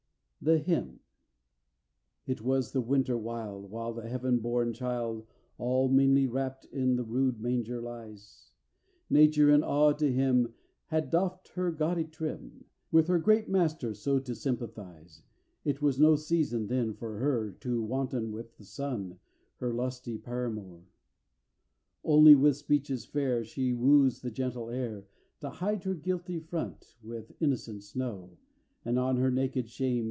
THE HYMN It was the winter wild, While the heaven bom child All meanly wrapt in the rude manger lies; Nature, in awe to him, Had doffed her gaudy trim, With her great Master so to sympathize : It was no season then for her To wanton with the Sun, her lusty Paramour. II Only with speeches fair She woos the gentle air To hide her guilty front with innocent snow. And on her naked shame.